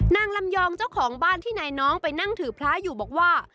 นางลำยองเจ้าของบ้านที่นายน้องไปนั่งถือพระอยู่บอกว่า